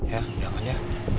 ya jangan ya